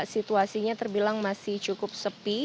situasinya terbilang masih cukup sepi